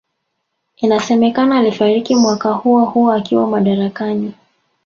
Inasemekana alifariki mwaka huohuo akiwa madarakani